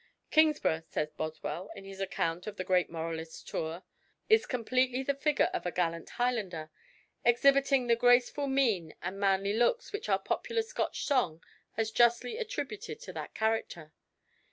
"Kingsburgh," says Boswell, in his account of the great moralist's tour, "is completely the figure of a gallant Highlander, exhibiting the graceful mien and manly looks which our popular Scotch song has justly attributed to that character.